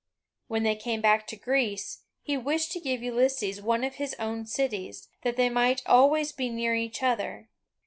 When they came back to Greece, he wished to give Ulysses one of his own cities, that they might always be near each other.